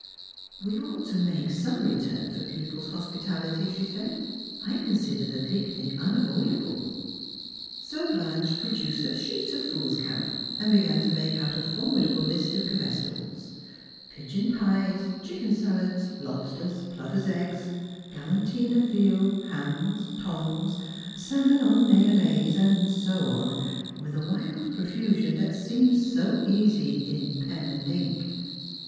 " We ought to make some return for people's hospitality," shft said. " I consider the picnic unavoidable." So Blanche produced a sheet of foolscap, and began to make out a formidable list of comestibles : pigeon pies, chicken salads, lobsters, plovers' eggs, galantine of veal, hams, tongues, salmon en mayonnaise, and so on, with a wild profusion that seems so easy in pen and ink.